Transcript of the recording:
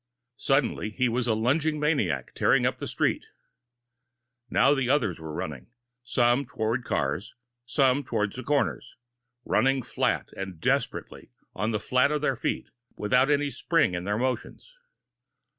Suddenly he was a lunging maniac, tearing up the street. Now the others were running some toward cars, and some toward the corners, running flat and desperately on the flat of their feet, without any spring to their motions.